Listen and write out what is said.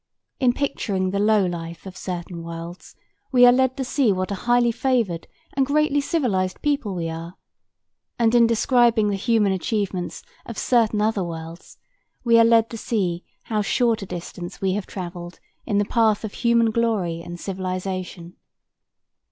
In picturing the low life of certain worlds we are led to see what a highly favored and greatly civilized people we are, and in describing the human achievements of certain other worlds we are led to see how short a distance we have traveled in the path of human glory and civilization.